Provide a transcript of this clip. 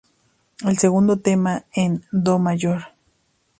El segundo tema en Do mayor.